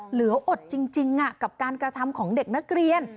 เหลืออดจริงกับการกระทำของเด็กนักเรียน